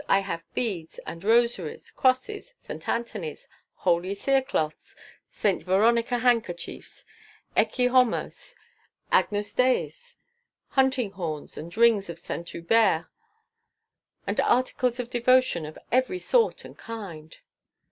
I have beads and rosaries, crosses, St. Anthonys, holy cerecloths, St. Veronica handkerchiefs, Ecce homos, Agnus Deis, hunting horns and rings of St. Hubert, and articles of devotion of every sort and kind."